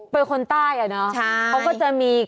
เป็นคนใต้